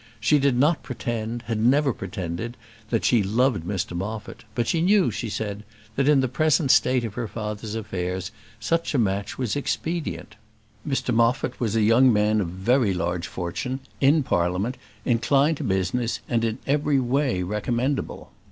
She did not pretend, had never pretended, that she loved Mr Moffat, but she knew, she said, that in the present state of her father's affairs such a match was expedient. Mr Moffat was a young man of very large fortune, in Parliament, inclined to business, and in every way recommendable.